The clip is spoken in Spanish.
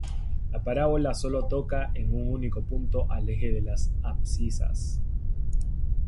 La parábola solo toca en un único punto al eje de las abscisas.